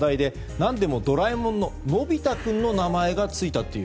何でも「ドラえもん」ののび太君の名前がついたという。